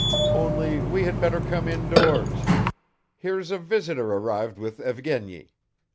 "Only we had better come indoors. Here's a visitor arrived with Evgeny.